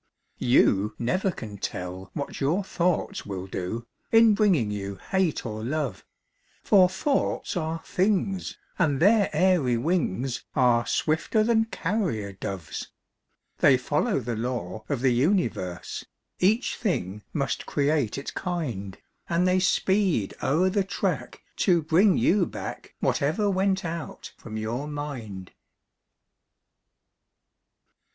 You never can tell what your thoughts will do, In bringing you hate or love; For thoughts are things, and their airy wings Are swifter than carrier doves. They follow the law of the universe— Each thing must create its kind; And they speed o'er the track to bring you back Whatever went out from your mind.